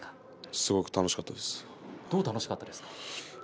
すごく楽しかったです。